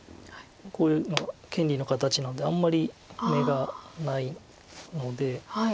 こういうのは権利の形なのであんまり眼がないので。